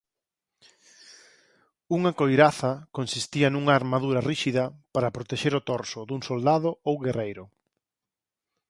Unha coiraza consistía nunha armadura ríxida para protexer o torso dun soldado ou guerreiro.